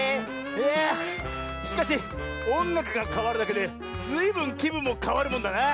いやしかしおんがくがかわるだけでずいぶんきぶんもかわるもんだなあ。